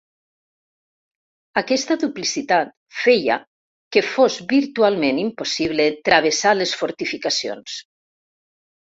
Aquesta duplicitat feia que fos virtualment impossible travessar les fortificacions.